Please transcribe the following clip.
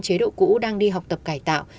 chế độ cũ đang đi học tập cải tạo